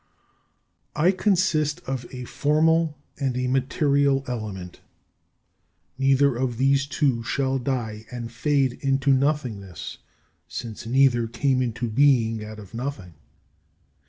13. I consist of a formal and a material element. Neither of these two shall die and fade into nothingness, since neither came into being out of nothing.